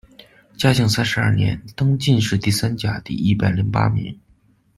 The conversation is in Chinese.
嘉靖三十二年，登进士第三甲第一百零八名。